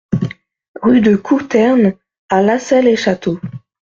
Rue de Côuterne à Lassay-les-Châteaux